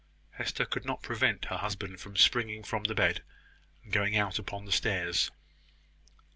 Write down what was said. Hester could not prevent her husband from springing from the bed, and going out upon the stairs.